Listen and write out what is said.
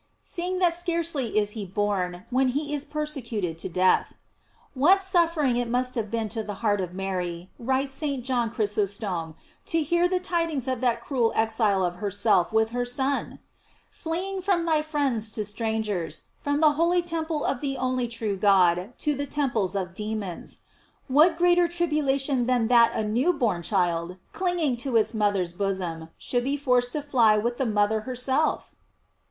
f Seeing that scarcely is he born, when he is persecuted to death. What suffering it must have been to the heart of Mary, writes St. John Chrysostom, to hear the tidings of that cruel exile of herself with her Son! Flee from thy friends to strangers, from the holy temple of the only true God, to the temples of demons. What greater tribulation than that a new born child, clinging to its moth er's bosom, should be forced to fly with the mother herself